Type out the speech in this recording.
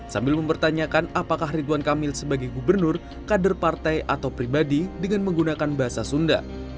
sambil mempertanyakan apakah ridwan kamil sebagai gubernur kader partai atau pribadi dengan menggunakan bahasa sunda